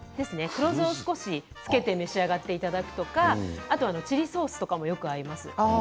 黒酢を少しつけて召し上がっていただくとかチリソースとかもよく合います。